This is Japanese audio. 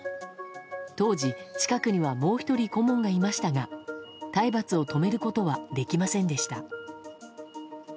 当時、近くにはもう１人顧問がいましたが体罰を止めることはできませんでした。